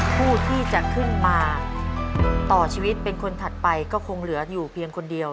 ผู้ที่จะขึ้นมาต่อชีวิตเป็นคนถัดไปก็คงเหลืออยู่เพียงคนเดียว